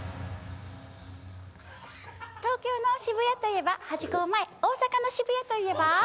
東京の渋谷といえばハチ公前大阪の渋谷といえば？